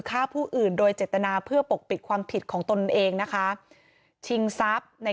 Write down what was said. ฆ่าผู้อื่นโดยเจตนาเพื่อปกปิดความผิดของตนเองนะคะชิงทรัพย์ใน